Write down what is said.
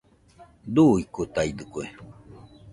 Duuikotaidɨkue